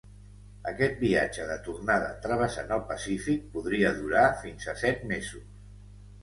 Aquest viatge de tornada travessant el Pacífic podria durar fins a set mesos.